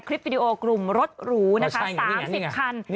คลิปวิดีโอกลุ่มรถหรูนะคะ๓๐คัน